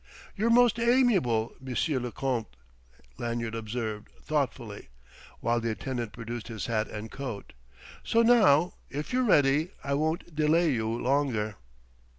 "You're most amiable, Monsieur le Comte!" Lanyard observed thoughtfully, while the attendant produced his hat and coat. "So now, if you're ready, I won't delay you longer."